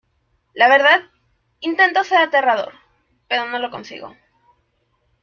La verdad, intento ser aterrador , pero no lo consigo.